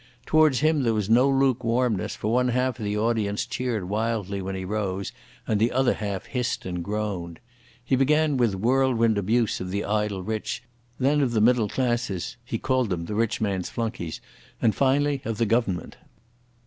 Towards him there was no lukewarmness, for one half of the audience cheered wildly when he rose, and the other half hissed and groaned. He began with whirlwind abuse of the idle rich, then of the middle classes (he called them the "rich man's flunkeys'), and finally of the Government.